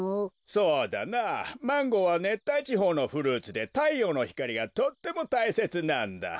そうだなマンゴーはねったいちほうのフルーツでたいようのひかりがとってもたいせつなんだ。